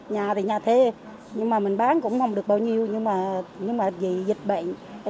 nhà thì nhà thê nhưng mà mình bán cũng không được bao nhiêu nhưng mà vì dịch bệnh